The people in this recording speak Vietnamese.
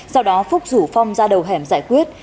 sau đó phúc rủ phong ra đầu hẻm giải quyết